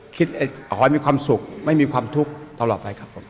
ขอให้มีความสุขไม่มีความทุกข์ตลอดไปครับผม